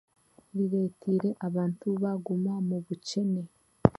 Bireeteire abantu baaguma mu bukyene.